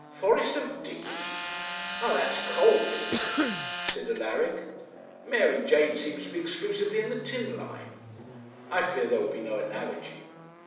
'Forest of Dean! ah, that's coal, is it not?' said Alaric. 'Mary Jane seems to be exclusively in the tin line. I fear there will be no analogy.'